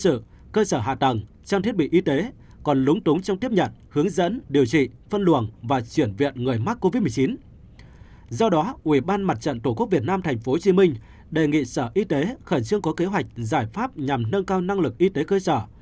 do đó ủy ban mặt trận tổ quốc việt nam tp hcm đề nghị sở y tế khẩn trương có kế hoạch giải pháp nhằm nâng cao năng lực y tế cơ sở